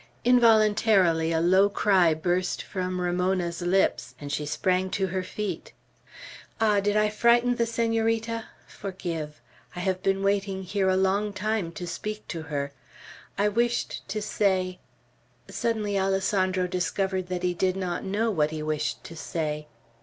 Involuntarily a low cry burst from Ramona's lips, and she sprang to her feet. "Ah! did I frighten the Senorita? Forgive. I have been waiting here a long time to speak to her. I wished to say " Suddenly Alessandro discovered that he did not know what he wished to say.